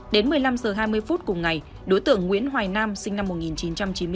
đến một mươi năm h hai mươi phút cùng ngày đối tượng nguyễn hoài nam sinh năm một nghìn chín trăm chín mươi bốn